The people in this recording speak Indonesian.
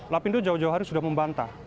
lapindo jauh jauh hari sudah membantah